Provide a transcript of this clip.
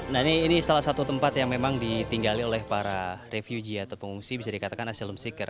nah ini salah satu tempat yang memang ditinggali oleh para refuge atau pengungsi bisa dikatakan asellem seaker